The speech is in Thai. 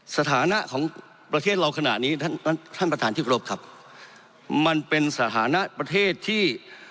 สถานะของประเทศเราขณะนี้ท่านท่านประธานที่กรบครับมันเป็นสถานะประเทศที่